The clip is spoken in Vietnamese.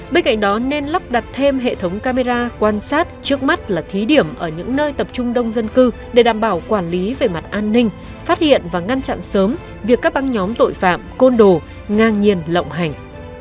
bên cạnh đó nên lắp đặt thêm hệ thống camera quan sát trước mắt là thí điểm ở những nơi tập trung đông dân cư để đảm bảo quản lý về mặt an ninh phát hiện và ngăn chặn sớm việc các băng nhóm tội phạm côn đồ ngang nhiên lộng hành